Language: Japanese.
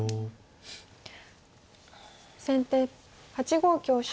先手８五香車。